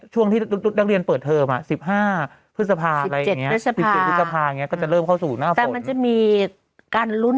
ช่วงที่นักเรียนเปิดเทอมสิบห้าเศรษภาษิสิบเจ็ดเศรษภาษิก็จะเริ่มเข้าสู่หน้าฝน